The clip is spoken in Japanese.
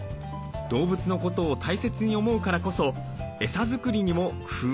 動物のことを大切に思うからこそエサ作りにも工夫を凝らします。